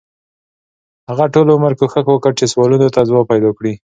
هغه ټول عمر کوښښ وکړ چې سوالونو ته ځواب پیدا کړي.